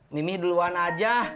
mimi duluan aja